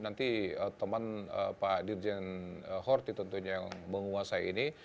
nanti teman pak dirjen horti tentunya yang menguasai ini